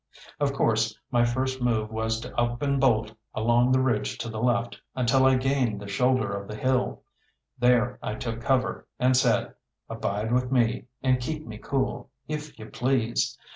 Of course, my first move was to up and bolt along the ridge to the left until I gained the shoulder of the hill. There I took cover, and said, "Abide with me, and keep me cool, if You please!"